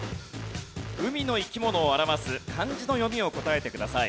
海の生き物を表す漢字の読みを答えてください。